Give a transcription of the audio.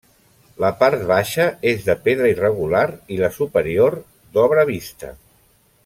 La part baixa és de pedra irregular i la superior, d'obra vista.